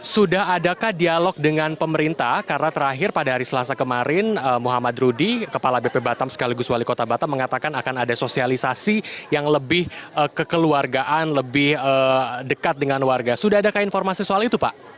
sudah adakah dialog dengan pemerintah karena terakhir pada hari selasa kemarin muhammad rudi kepala bp batam sekaligus wali kota batam mengatakan akan ada sosialisasi yang lebih kekeluargaan lebih dekat dengan warga sudah adakah informasi soal itu pak